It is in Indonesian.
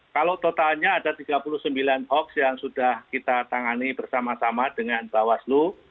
kalau totalnya ada tiga puluh sembilan hoax yang sudah kita tangani bersama sama dengan bawaslu